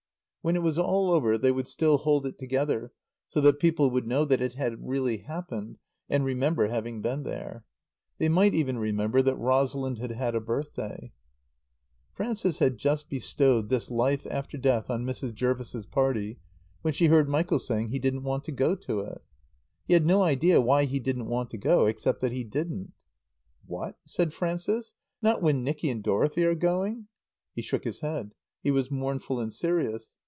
When it was all over they would still hold it together, so that people would know that it had really happened and remember having been there. They might even remember that Rosalind had had a birthday. Frances had just bestowed this life after death on Mrs. Jervis's party when she heard Michael saying he didn't want to go to it. He had no idea why he didn't want to go except that he didn't. "What'?" said Frances. "Not when Nicky and Dorothy are going?" He shook his head. He was mournful and serious.